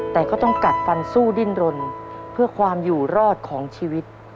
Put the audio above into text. แต่ก็ต้องกัดฟันสู้ดิ้นรนเพื่อความอยู่รอดของชีวิต